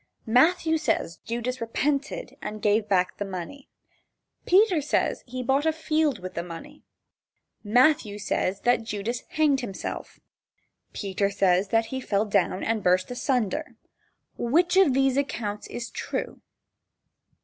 Matthew says Judas repented and gave back the money. Peter says that he bought a field with the money. Matthew says that Judas hanged himself. Peter says that he fell down and burst asunder. Which of these accounts is true?